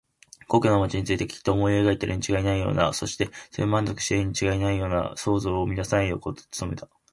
故郷の町についてきっと思い描いているにちがいないような、そしてそれで満足しているにちがいないような想像を乱さないでおこうと努めた。